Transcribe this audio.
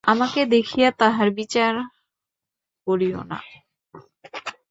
আমাকে দেখিয়া তাঁহার বিচার করিও না।